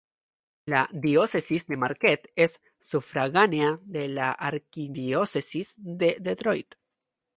La Diócesis de Marquette es sufragánea d la Arquidiócesis de Detroit.